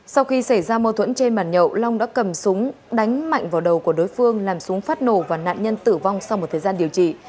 sau khi xảy ra mâu thuẫn trên bàn nhậu long đã cầm súng đánh mạnh vào đầu của đối phương làm súng phát nổ và nạn nhân tử vong sau một thời gian điều trị